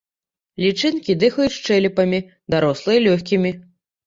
Лічынкі дыхаюць шчэлепамі, дарослыя лёгкімі.